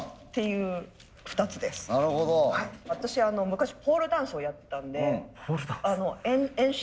私昔ポールダンスをやってたんで遠心力。